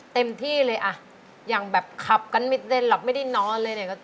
เต็มที่เลยอ่ะอย่างแบบขับกันไม่เต้นหลับไม่ได้นอนเลยเนี่ย